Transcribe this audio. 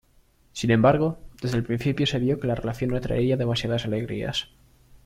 Sin embargo, desde el principio se vio que la relación no traería demasiadas alegrías.